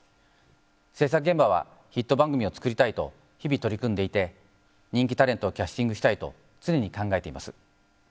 制作現場はヒット番組を作りたいと日々取り組んでいて人気タレントをキャスティングしたりと常に考えています。